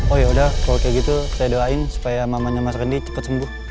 oh yaudah kalau kayak gitu saya doain supaya mamanya mas rendy cepat sembuh